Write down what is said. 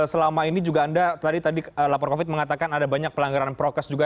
selama ini juga anda tadi lapor covid mengatakan ada banyak pelanggaran prokes juga